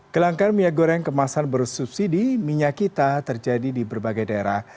kelangkan minyak goreng kemasan bersubsidi minyak kita terjadi di berbagai daerah